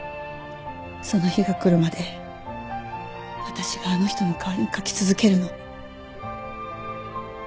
その日が来るまで私があの人の代わりに書き続けるの。